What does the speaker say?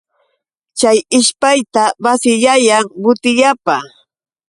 Chay ishpayta basiyayan butillapa.